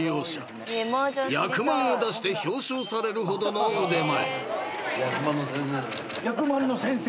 ［役満を出して表彰されるほどの腕前］